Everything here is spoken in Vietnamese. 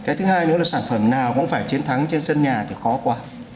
cái thứ hai nữa là sản phẩm nào cũng phải chiến thắng trên sân nhà thì có quả